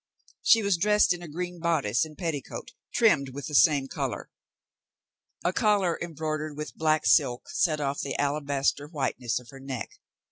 She was dressed in a green bodice and petticoat, trimmed with the same colour. A collar embroidered with black silk set off the alabaster whiteness of her neck.